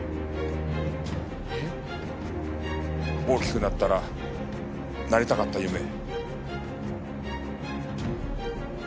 大きくなったらなりたかった夢。